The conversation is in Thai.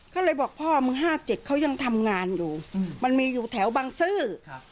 เขาเลยบอกพ่อมึง๕๗เขายังทำงานอยู่มันมีอยู่แถวบังซื้อ